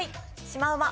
しまうま。